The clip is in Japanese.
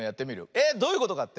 えっどういうことかって？